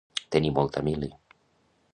Tenir molta «mili».